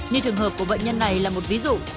như trường hợp của bệnh nhân này là một ví dụ